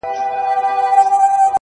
• نوي نوي تختې غواړي کنې یاره ,